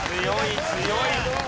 強い強い！